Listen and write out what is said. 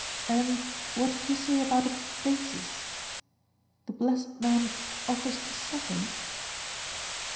"And what did you say about a 'basis'? The blessed man offers to settle